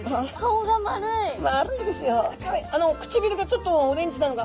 唇がちょっとオレンジなのが。